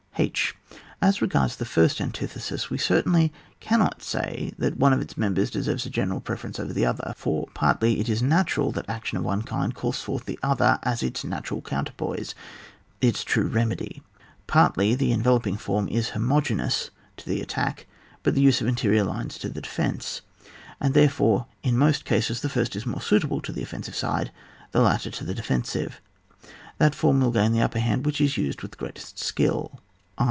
{h.) As regards the first antithesis, we certainly cannot say that one of its mem bers deserves a general preference over the other; for partly it is natural that action of one kind calls forth the other as its natural counterpoise, its true remedy; partly the enveloping form is homogeneous to the attack, but the use of interior lines to the defence; and therefore, ip most cases, the first is more suitable to the ofiTensive side, the latter to the defensive. That form will gain the upper hand which is used with the greatest skill. (t.)